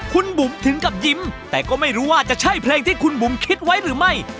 คุณบุ๋มถึงกับยิ้มแต่ก็ไม่รู้ว่าจะใช่เพลงที่คุณบุ๋มคิดไว้หรือไม่